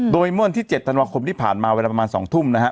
โดยเมื่อวันที่๗ธันวาคมที่ผ่านมาเวลาประมาณ๒ทุ่มนะฮะ